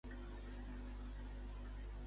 Ha incrementat Espanya la seva economia?